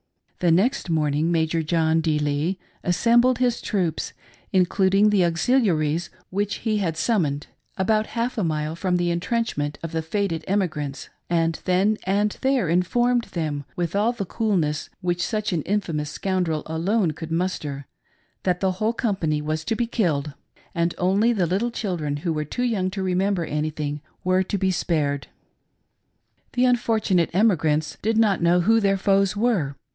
The next morning. Major John D. Lee assembled his troops, including the auxiliaries which he had summoned, about half a mile from the intrenchment of the fated emi grants, and then and there informed them, with all the cool ness which such an infamous scoundrel alone could muster, that the whole company was to be killed, and only the little children who were too young to remember anything were to be spared. The unfortunate emigrants did not know who their foes were.